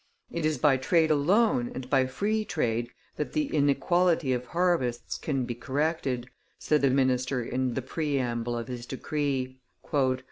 "It is by trade alone, and by free trade, that the inequality of harvests can be corrected," said the minister in the preamble of his decree.